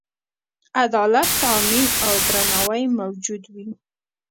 عدالت تأمین او درناوی موجود وي.